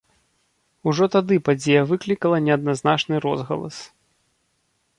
Ужо тады падзея выклікала неадназначны розгалас.